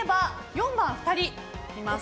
４番、２人います。